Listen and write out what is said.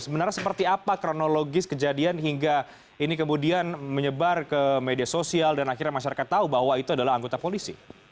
sebenarnya seperti apa kronologis kejadian hingga ini kemudian menyebar ke media sosial dan akhirnya masyarakat tahu bahwa itu adalah anggota polisi